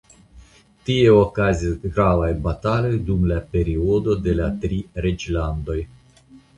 Tie okazis gravaj bataloj dum la periodo de la Tri Reĝlandoj.